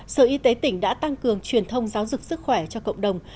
sở y tế tỉnh đã tăng cường truyền thông giáo dục sức khỏe cho cộng đồng